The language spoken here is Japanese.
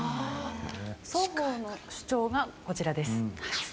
双方の主張がこちらです。